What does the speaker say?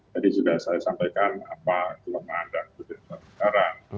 jadi sudah saya sampaikan apa kelemahan dan kebenaran